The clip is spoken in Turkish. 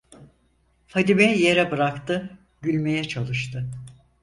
Fadime'yi yere bıraktı, gülmeye çalıştı...